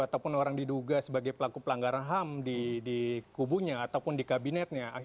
ataupun orang diduga sebagai pelaku pelanggaran ham di kubunya ataupun di kabinetnya